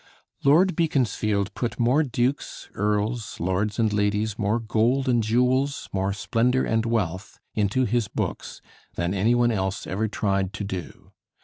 Lord Beaconsfield put more dukes, earls, lords and ladies, more gold and jewels, more splendor and wealth into his books than any one else ever tried to do.